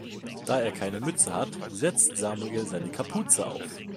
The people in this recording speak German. Da er keine Mütze hat, setzt Samuel seine Kapuze auf.